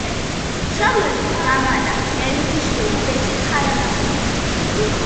მშობლები: დამანა მელიქიშვილი, ბესიკ ხარანაული.